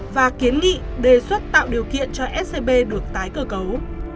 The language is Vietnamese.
và kiến nghị đề xuất tạo điều kiện cho scb được tái cơ cấu